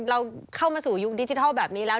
เราเข้ามาสู่ยุคดิจิทัลแบบนี้แล้ว